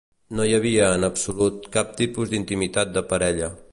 No hi havia, en absolut, cap tipus d'intimitat de parella.